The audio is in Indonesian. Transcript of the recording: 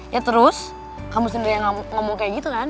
ya terus kamu sendiri yang ngomong kayak gitu kan